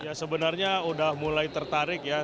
ya sebenarnya udah mulai tertarik ya